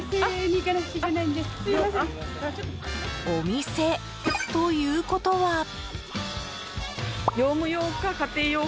お店ということは。